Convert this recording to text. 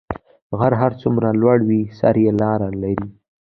غر هر څو لوړ وي، سر یې لېر لري.